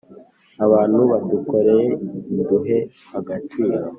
abantu badukoreye ntiduhe agaciro